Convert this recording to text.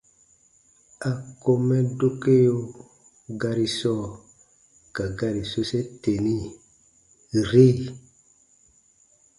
A kom mɛ dokeo gari sɔɔ ka gari sose teni: “-ri”.